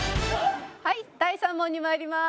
「はい第３問にまいります」